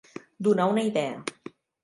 Donar una idea.